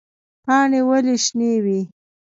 پاڼې ولې شنې وي؟